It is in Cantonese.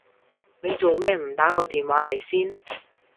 你做咩唔打個電話嚟先？